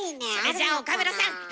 それじゃあ岡村さん